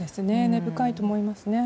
根深いと思いますね。